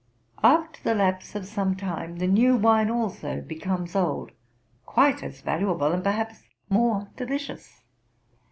After the lapse of some time, the new wine also becomes old, quite as valuable and perhaps more delicious.